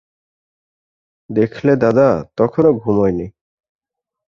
দেখলে দাদা তখনো ঘুমোয় নি।